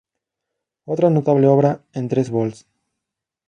Otra notable obra, en tres vols.